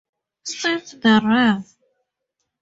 Since the Rev.